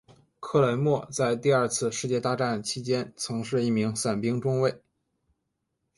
克雷默在第二次世界大战期间曾是一名伞兵中尉。